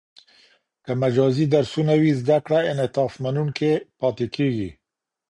که مجازي درسونه وي، زده کړه انعطاف منونکې پاته کېږي.